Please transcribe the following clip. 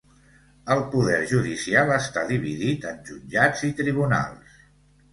El Poder judicial està dividit en Jutjats i Tribunals.